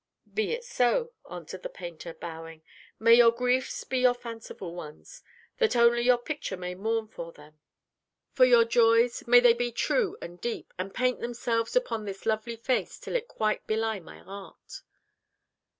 "Be it so," answered the painter, bowing. "May your griefs be such fanciful ones that only your picture may mourn for them! For your joys may they be true and deep, and paint themselves upon this lovely face till it quite belie my art!"